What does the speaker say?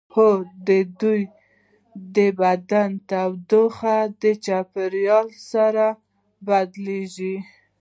هو د دوی د بدن تودوخه د چاپیریال سره بدلیږي